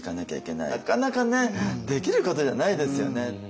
なかなかねできることじゃないですよね。